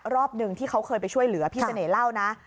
รอบหนึ่งที่เขาเคยไปช่วยเหลือพี่เสน่ห์เล่านะ